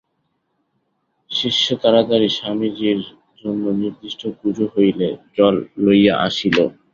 শিষ্য তাড়াতাড়ি স্বামীজীর জন্য নির্দিষ্ট কুঁজো হইতে জল লইয়া আসিল।